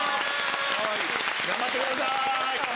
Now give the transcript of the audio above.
頑張ってください！